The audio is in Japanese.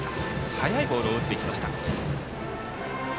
速いボールを打っていきました。